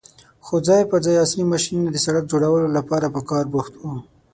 خو ځای پر ځای عصرې ماشينونه د سړک جوړولو لپاره په کار بوخت وو.